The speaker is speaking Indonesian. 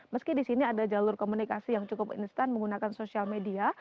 meski di sini ada jalur komunikasi yang cukup instan menggunakan sosial media